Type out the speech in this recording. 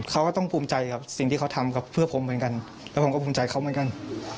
เขาก็ต้องภูมิใจครับสิ่งที่เขาทำกับเพื่อผมเหมือนกันแล้วผมก็ภูมิใจเขาเหมือนกัน